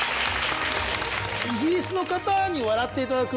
イギリスの方に笑っていただく